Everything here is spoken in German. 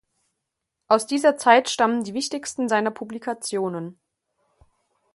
Aus dieser Zeit stammen die wichtigsten seiner Publikationen.